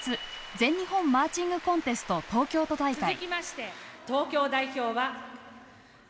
全日本マーチングコンテスト東京都大会。